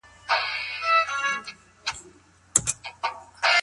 د خاوند کورته راځي.